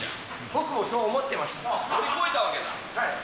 僕もそう思ってました。